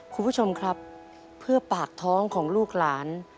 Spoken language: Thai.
คุณผู้ชมครับเพื่อปากท้องของลูกหลาน